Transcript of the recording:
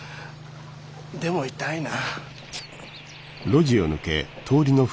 でも痛いな。